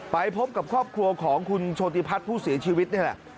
ไปพบกับครอบครัวของคุณโชติพัฒน์ผู้เสียชีวิตนี่แหละ